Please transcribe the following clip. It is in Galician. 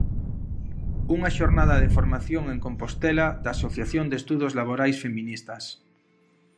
Unha xornada de formación en Compostela da Asociación de Estudos laborais feministas.